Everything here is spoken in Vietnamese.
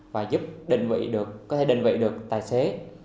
và giúp định vị được có thể định vị được tài xế